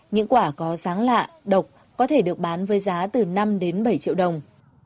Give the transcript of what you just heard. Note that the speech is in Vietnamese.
những quả có giáng lạ độc có thể được bán với giá từ năm đến bảy triệu đồng